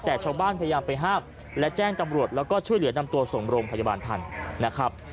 แต่ชาวบ้านพยายามไปห้ามและแจ้งตำรวจแล้วก็ช่วยเหลือนำตัวส่งโรงพยาบาลทันนะครับ